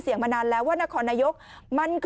สุดยอดดีแล้วล่ะ